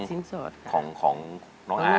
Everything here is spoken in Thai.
ขอบคุณครับ